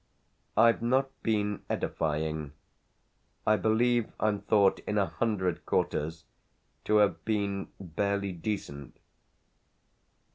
I've not been edifying I believe I'm thought in a hundred quarters to have been barely decent.